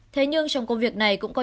thế nhưng trong công việc này cũng có